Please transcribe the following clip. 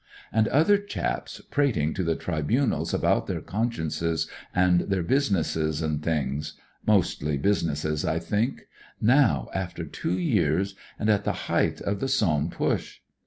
And other chaps prating to the tribunals about their consciences and their businesses and things (mostly businesses, I think) now, after two years, and at the height of the Somme push